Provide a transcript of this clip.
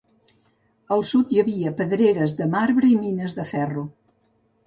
Al sud hi havia pedreres de marbre i mines de ferro.